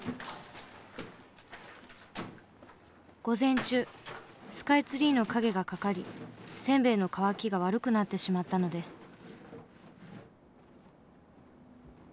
午前中スカイツリーの影がかかりせんべいの乾きが悪くなってしまったのです。